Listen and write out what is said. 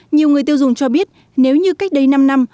nhiều người tiêu dùng cho biết nếu như cách đây năm năm